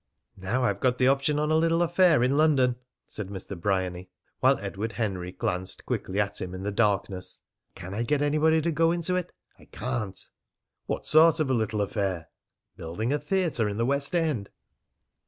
"Now, I've got the option on a little affair in London," said Mr. Bryany, while Edward Henry glanced quickly at him in the darkness, "and can I get anybody to go into it? I can't." "What sort of a little affair?" "Building a theatre in the West End."